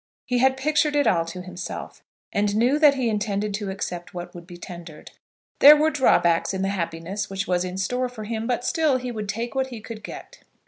He had pictured it all to himself, and knew that he intended to accept what would be tendered. There were drawbacks in the happiness which was in store for him, but still he would take what he could get.